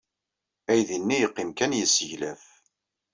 Aydi-nni yeqqim kan yesseglaf.